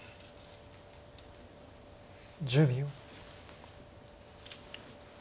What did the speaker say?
１０秒。